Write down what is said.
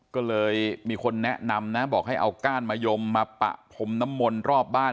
ก็เลยมีคนแนะนำนะบอกให้เอาก้านมะยมมาปะพรมน้ำมนต์รอบบ้าน